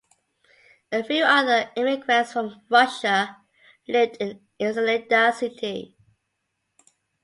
A few other immigrants from Russia lived in Ensenada city.